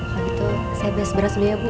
lalu saya bebas bebas dulu ya bu